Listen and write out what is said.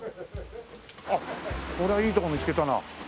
あっこれはいいとこ見つけたな。